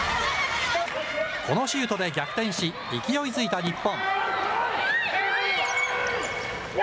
このシュートで逆転し、勢いづいた日本。